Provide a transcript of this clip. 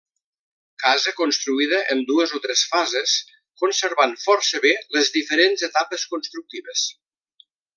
Casa construïda en dues o tres fases, conservant força bé les diferents etapes constructives.